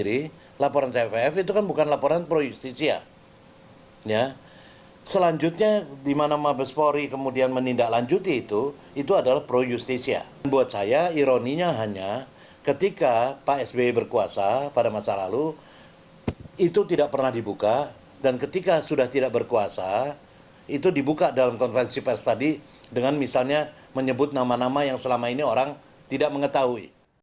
itu dibuka dalam konfeksi pers tadi dengan misalnya menyebut nama nama yang selama ini orang tidak mengetahui